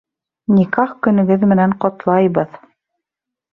Никах көнөгөҙ менән ҡотлайбыҙ!